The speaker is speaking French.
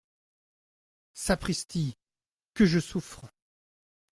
Sapristi ! que je souffre !